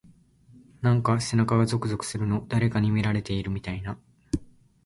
なんか背中がゾクゾクするの。誰かに見られてるみたいな…。